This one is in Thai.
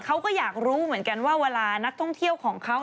เขาก็อยากรู้เหมือนกันว่าเวลานักท่องเที่ยวของเขา